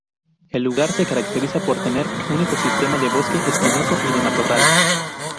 El lugar se caracteriza por tener un ecosistema de bosque espinoso y de matorral.